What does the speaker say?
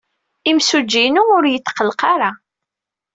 Imsujji-inu ur yetqelleq ara.